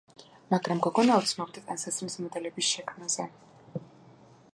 მაგრამ გოგონა ოცნებობდა ტანსაცმლის მოდელების შექმნაზე.